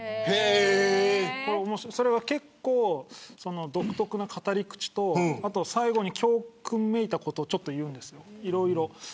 結構、独特な語り口と最後に教訓めいたことを言うんです。